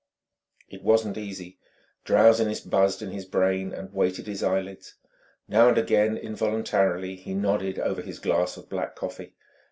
It wasn't easy; drowsiness buzzed in his brain and weighted his eyelids; now and again, involuntarily, he nodded over his glass of black coffee.